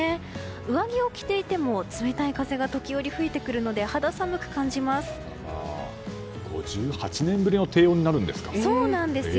上着を着ていても冷たい風が時折吹いてくるので５８年ぶりの低温にそうなんですよ。